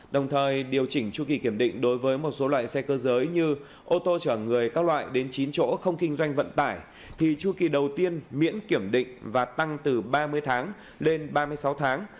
đồng thời điều chỉnh chu kỳ kiểm định đối với một số loại xe cơ giới như ô tô chở người các loại đến chín chỗ không kinh doanh vận tải thì chu kỳ đầu tiên miễn kiểm định và tăng từ ba mươi tháng lên ba mươi sáu tháng